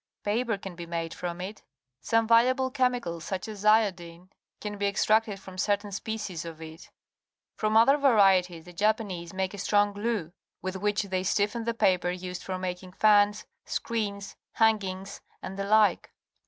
Paper can be made from it . Some valuable c hem icals, such as iodine, can be extracted from certain species of it. From other varieties the Japanese make a strong glue, with which they stiffen the paper used for making fans, screens, hangings, and the like.